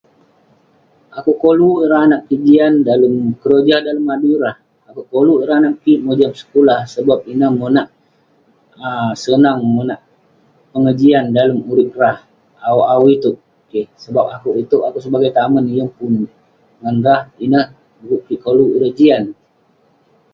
Akouk koluk ireh anag kik jian dalem keroja, dalem adui rah. Akouk koluk ireh anag kik mojam sekulah, sebab ineh monak um sonang monak pengejian dalem urip rah awu awu itouk. Keh. Dekuk akouk sebagai tamen, yeng pun ngan rah. Ineh dekuk kik koluk ireh jian.